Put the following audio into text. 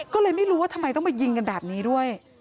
ก็เลยไม่รู้ว่าทำไมต้องมายิงกันแบบนี้ด้วย